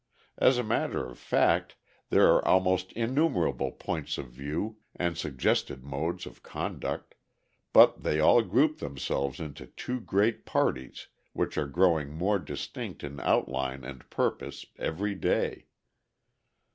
As a matter of fact, there are almost innumerable points of view and suggested modes of conduct, but they all group themselves into two great parties which are growing more distinct in outline and purpose every day.